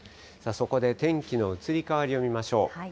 そこで天気の移り変わりを見ましょう。